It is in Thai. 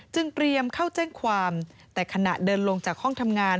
เตรียมเข้าแจ้งความแต่ขณะเดินลงจากห้องทำงาน